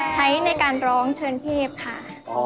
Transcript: ใช้ในการร้องเชิญเทพค่ะ